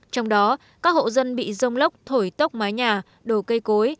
trong đó các hộ dân bị rông lốc thổi tốc mái nhà đổ cây cối